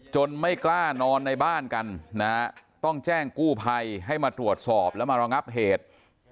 ไม่กล้านอนในบ้านกันนะฮะต้องแจ้งกู้ภัยให้มาตรวจสอบแล้วมาระงับเหตุ